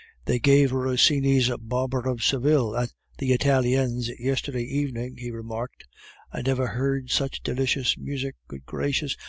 "They gave Rossini's Barber of Seville at the Italiens yesterday evening," he remarked. "I never heard such delicious music. Good gracious!